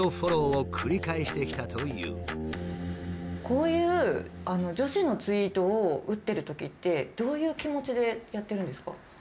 こういう女子のツイートを打ってるときってどういう気持ちでやってるんですか？